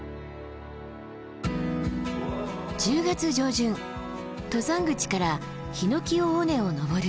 １０月上旬登山口から檜尾尾根を登る。